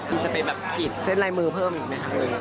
มีจะไปแบบขีดเซ็นไลน์มือเพิ่มอย่างนี้ครับ